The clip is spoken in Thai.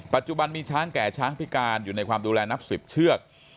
ปัจจุบันมีช้างแก่ช้างพิการอยู่ในความดูแลนับ๑๐เชือก